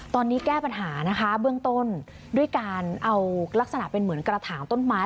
ตอนนี้แก้ปัญหานะคะเบื้องต้นด้วยการเอาลักษณะเป็นเหมือนกระถางต้นไม้